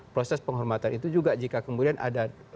proses penghormatan itu juga jika kemudian ada